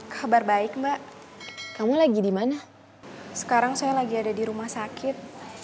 kabar baik mbak kamu lagi di mana sekarang saya lagi ada di rumah sakit